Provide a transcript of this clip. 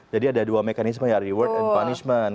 jadi ada dua mekanisme ya reward dan punishment